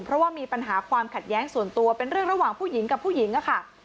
เพราะว่ามีปัญหาความขัดแย้งส่วนตัวเป็นเรื่องระหว่างผู้หญิงกับผู้หญิงค่ะ